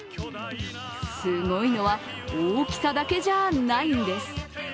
すごいのは大きさだけじゃないんです。